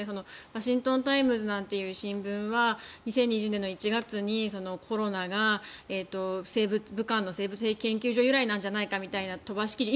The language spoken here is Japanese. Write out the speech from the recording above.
ワシントン・タイムズなんていう新聞は２０２０年の１月にコロナが武漢の生物兵器研究所の由来なんじゃないかみたいな飛ばし記事